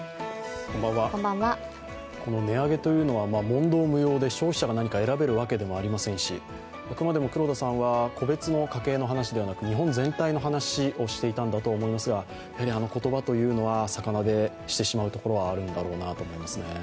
この値上げというのは問答無用で消費者が選べるわけではありませんしあくまでも黒田さんは個別の家計の話ではなく、日本全体の話をしていたんだと思いますが、やはりあの言葉は逆なでしてしまうところはあるんだと思いますね。